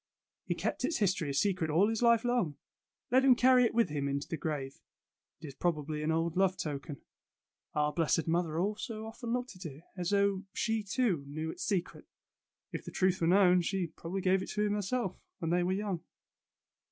He kept its history a secret all his life long. Let him carry it with him into the grave. It is probably an old love token. Our blessed mother also often looked at it, as though she, too, knew its secret. If the truth were known, she probably gave it to him herself, when they were young."